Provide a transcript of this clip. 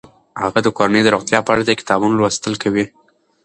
هغه د کورنۍ د روغتیا په اړه د کتابونو لوستل کوي.